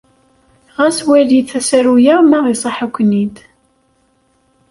Ɣas walit asaru-a ma iṣaḥ-iken-id.